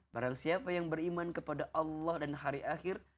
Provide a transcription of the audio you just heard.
barang siapa yang beriman kepada allah dan hari akhir